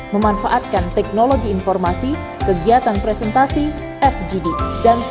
memanfaatkan teknologi informasi kegiatan presentasi fgd dan pengumpulan data dilakukan melalui telekonferensi